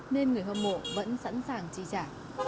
nên người hâm mộ vẫn sẵn sàng chi trả